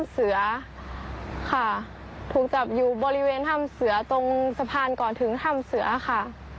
เสือค่ะถูกจับอยู่บริเวณถ้ำเสือตรงสะพานก่อนถึงถ้ำเสือค่ะ